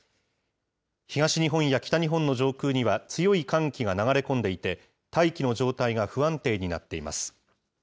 東日本や北日本の上空には強い寒気が流れ込んでいて、大気の状態が不安定になっています。